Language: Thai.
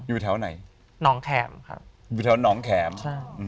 อยู่แถวไหนน้องแขมครับอยู่แถวหนองแขมใช่